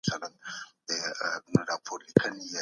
ته بشپړ ځواک لرې او ټولې ستاينې او نمانځنې تا لره دي.